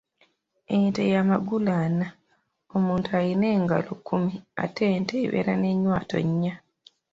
Ente y'amagulu ana, omuntu alina engalo kkumi ate ente ebeera n'ennywanto nnya.